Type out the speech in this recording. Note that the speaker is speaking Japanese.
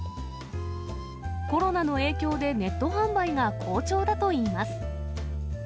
コロナの影響でネット販売が好調だといいます。